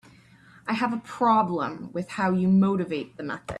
I have a problem with how you motivate the method.